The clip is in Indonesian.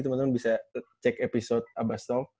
teman teman bisa cek episode abbasno